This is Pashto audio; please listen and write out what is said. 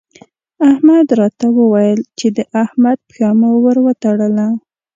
احمد راته وويل چې د احمد پښه مو ور وتړله.